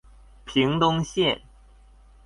屏東線